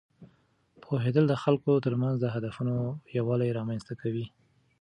پوهېدل د خلکو ترمنځ د هدفونو یووالی رامینځته کوي.